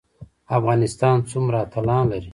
افغانستان څومره اتلان لري؟